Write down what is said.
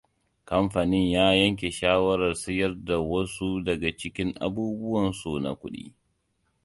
Kamfanin ya yanke shawarar siyar da wasu daga cikin abuwan su na kudi.